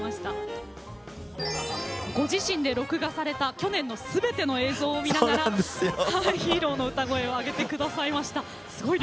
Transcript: ご自身で録画された去年のすべての映像を見ながらヒーローの歌声を挙げてくださいました。